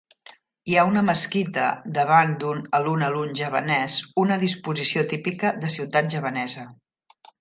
Hi ha una mesquita davant d'un alun-alun javanès, una disposició típica de ciutat javanesa.